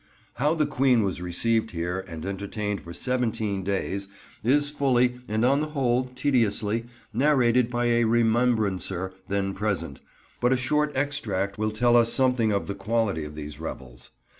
How the Queen was received here and entertained for seventeen days is fully, and on the whole tediously, narrated by a remembrancer then present, but a short extract will tell us something of the quality of these revels.